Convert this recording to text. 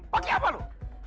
pake apa lo